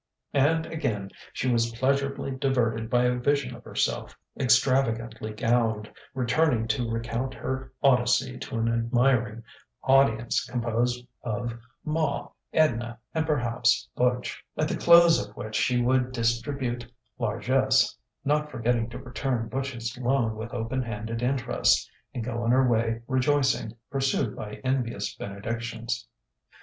And again she was pleasurably diverted by a vision of herself, extravagantly gowned, returning to recount her Odyssey to an admiring audience composed of Ma, Edna, and, perhaps, Butch; at the close of which she would distribute largesse, not forgetting to return Butch's loan with open handed interest, and go on her way rejoicing, pursued by envious benedictions....